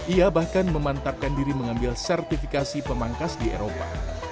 ia bahkan memantapkan diri mengambil sertifikasi pemangkas di eropa